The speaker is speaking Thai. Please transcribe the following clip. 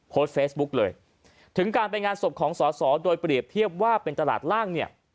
โพสต์เฟซบุ๊กเลยถึงการไปงานศพของสอสอโดยเปรียบเทียบว่าเป็นตลาดล่างเนี่ย